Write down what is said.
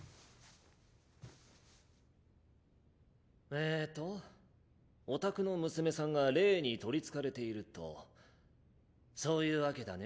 えっとおたくの娘さんが霊に取り憑かれているとそういうわけだね？